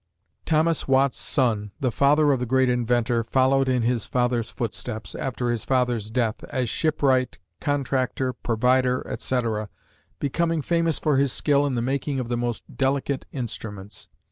Thomas Watt's son, the father of the great inventor, followed in his father's footsteps, after his father's death, as shipwright, contractor, provider, etc., becoming famous for his skill in the making of the most delicate instruments.